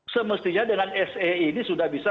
semestinya dengan se ini sudah bisa